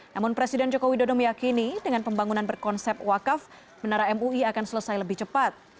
namun presiden joko widodo meyakini dengan pembangunan berkonsep wakaf menara mui akan selesai lebih cepat